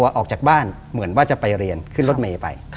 ออกจากบ้านเหมือนว่าจะไปเรียนขึ้นรถเมย์ไป